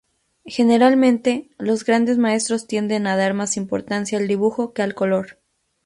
Generalmente, los grandes maestros tienden a dar más importancia al dibujo que al color.